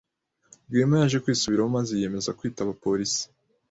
Rwema yaje kwisubiraho maze yiyemeza kwitaba polisi.